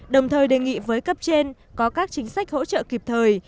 đồng thời đề nghị với cấp trên có các chính sách hỗ trợ kịp thời